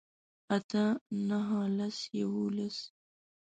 اتۀ نهه لس يوولس